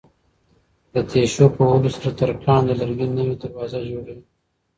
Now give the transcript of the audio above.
د تېشو په وهلو سره ترکاڼ د لرګي نوې دروازه جوړوي.